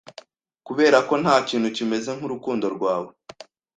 'Kuberako ntakintu kimeze nkurukundo rwawe